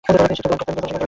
তিনি শিক্ষা গ্রহণ করেন।